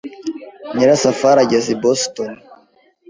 Nyirasafari ageze i Boston.